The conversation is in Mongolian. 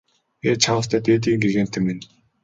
Ээ чааваас дээдийн гэгээнтэн минь!